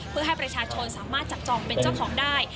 เพื่อให้ประชาชนสามารถจับจองเป็นเจ้าของได้